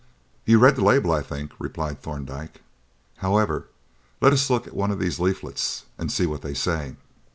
"You read the label, I think?" replied Thorndyke. "However, let us look at one of these leaflets and see what they say.